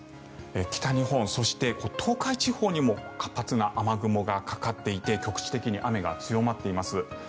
北日本、そして東海地方にも活発な雨雲がかかっていて局地的に雨が強まっています。